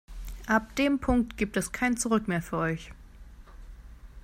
Ab dem Punkt gibt es kein Zurück mehr für euch.